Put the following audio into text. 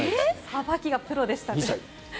さばきがプロでしたね。